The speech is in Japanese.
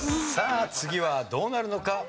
さあ次はどうなるのか？